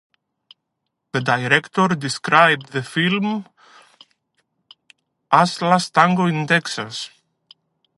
The director described the film as "Last Tango in Texas".